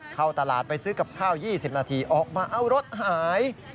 เข้าตลาดไปซื้อกับข้าว๒๐นาทีออกมาเอารถหาย